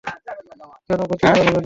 কেনো ভর্তি করা হবে না?